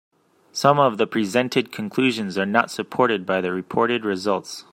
Some of the presented conclusions are not supported by the reported results.